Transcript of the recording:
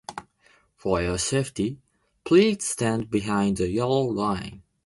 For your safety, please stand behind the yellow line.